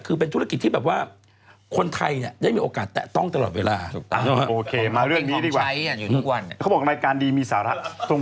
เขาบอกการดีมีศาละตรงไหน